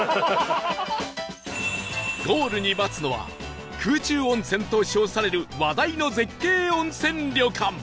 ゴールに待つのは空中温泉と称される話題の絶景温泉旅館